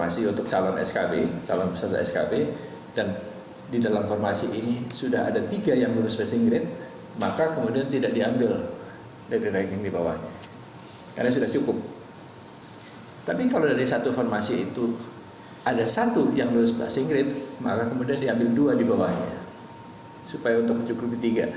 supaya untuk mencukupi tiga